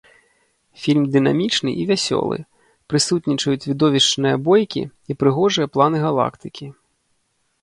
Фільм дынамічны і вясёлы, прысутнічаюць відовішчныя бойкі і прыгожыя планы галактыкі.